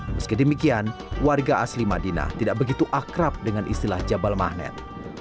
meski demikian warga asli madinah tidak begitu akrab dengan istilah jabal mahnet